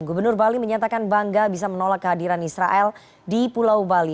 gubernur bali menyatakan bangga bisa menolak kehadiran israel di pulau bali